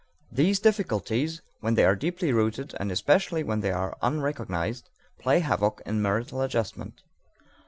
These difficulties, when they are deeply rooted, and especially when they are unrecognized, play havoc in marital adjustment.